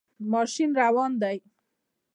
ماشین روان دی